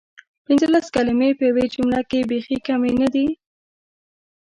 پنځلس کلمې په یوې جملې کې بیخې کمې ندي؟!